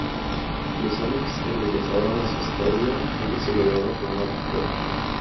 Los Sonics regresaron a su estadio, y lo celebraron con una victoria.